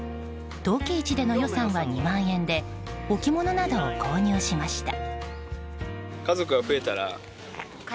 陶器市での予算は２万円で置物などを購入しました。